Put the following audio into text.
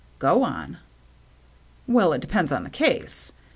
" Go on." " Well, it depends on the case.